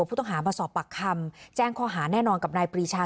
ผู้ต้องหามาสอบปากคำแจ้งข้อหาแน่นอนกับนายปรีชา